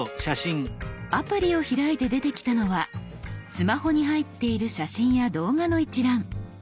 アプリを開いて出てきたのはスマホに入っている写真や動画の一覧。